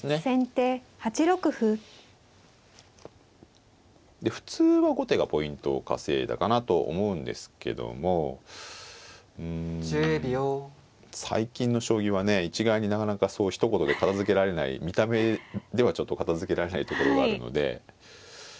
先手８六歩。で普通は後手がポイントを稼いだかなと思うんですけどもうん最近の将棋はね一概になかなかそうひと言で片づけられない見た目ではちょっと片づけられないところがあるので。